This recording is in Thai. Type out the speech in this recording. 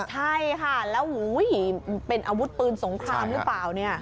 ใช่ค่ะแล้วเป็นอาวุธปืนสงครามหรือเปล่าเนี่ย